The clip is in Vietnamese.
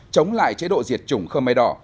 chống lại chế độ diệt chủng khơm mây đỏ